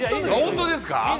本当ですか？